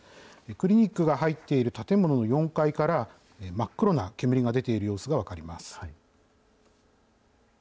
クリニックが入っている建物の４階から、真っ黒な煙が出ている様子が分かります。